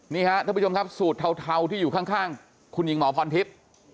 นี่ฮะท่านผู้ชมครับสูตรเทาที่อยู่ข้างคุณหญิงหมอพรทิพย์